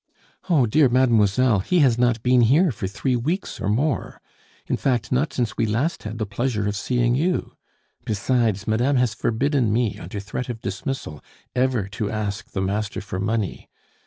"Oh, dear mademoiselle, he has not been here for three weeks or more; in fact, not since we last had the pleasure of seeing you! Besides, madame has forbidden me, under threat of dismissal, ever to ask the master for money.